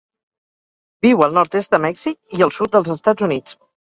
Viu al nord-est de Mèxic i el sud dels Estats Units.